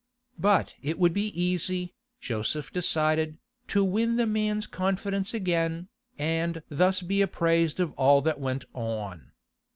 But it would be easy, Joseph decided, to win the man's confidence again, and thus be apprised of all that went on.